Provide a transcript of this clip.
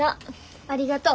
ありがとう。